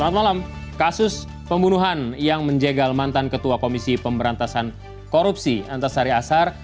selamat malam kasus pembunuhan yang menjegal mantan ketua komisi pemberantasan korupsi antasari asar